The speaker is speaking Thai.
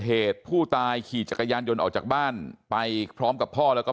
เหตุผู้ตายขี่จักรยานยนต์ออกจากบ้านไปพร้อมกับพ่อแล้วก็